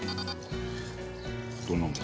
どんなもん？